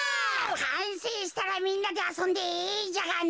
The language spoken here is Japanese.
かんせいしたらみんなであそんでいいんじゃがね。